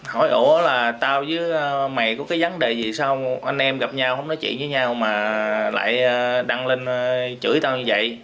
hỏi ổ là tao với mày có cái vấn đề gì sao anh em gặp nhau không nói chuyện với nhau mà lại đăng lên chửi tao như vậy